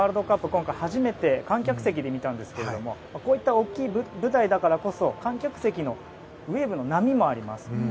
今回初めて観客席で見たんですがこういった大きい舞台だからこそ観客席のウェーブの波もあります。